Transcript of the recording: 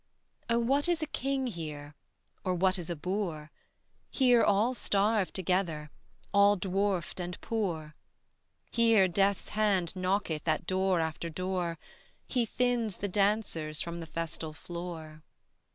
Oh what is a king here, Or what is a boor? Here all starve together, All dwarfed and poor; Here Death's hand knocketh At door after door, He thins the dancers From the festal floor.